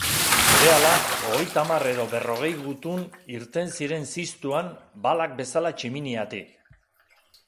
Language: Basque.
Berehala, hogeita hamar edo berrogei gutun irten ziren ziztuan balak bezala tximiniatik.